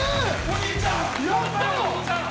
お兄ちゃん！